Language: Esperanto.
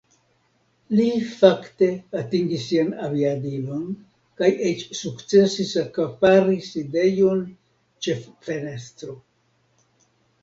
Li fakte atingis sian aviadilon kaj eĉ sukcesis akapari sidejon ĉe fenestro.